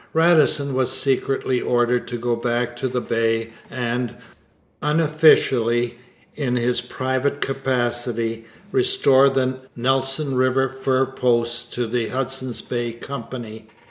Radisson was secretly ordered to go back to the Bay and, unofficially, in his private capacity, restore the Nelson river fur posts to the Hudson's Bay Company.